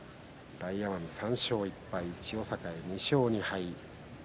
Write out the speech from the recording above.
大奄美、３勝１敗千代栄、２勝２敗。